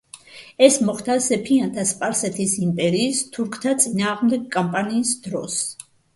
ეს მოხდა სეფიანთა სპარსეთის იმპერიის თურქთა წინააღმდეგ კამპანიის დროს.